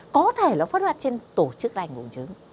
có thể nó xuất phát trên tổ chức lành bùng trứng